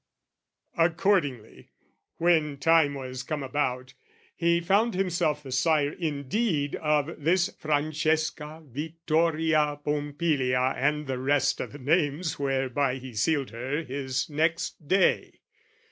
Accordingly, when time was come about, He found himself the sire indeed of this Francesca Vittoria Pompilia and the rest O' the names whereby he sealed her his next day.